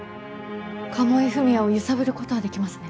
鴨井文哉を揺さぶることはできますね。